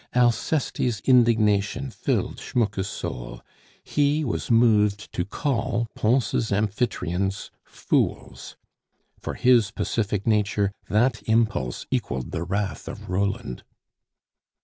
Alceste's indignation filled Schmucke's soul he was moved to call Pons' amphitryons "fools." For his pacific nature that impulse equaled the wrath of Roland.